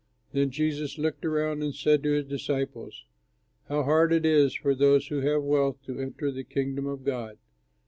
Then Jesus looked around and said to his disciples, "How hard it is for those who have wealth to enter the Kingdom of God!"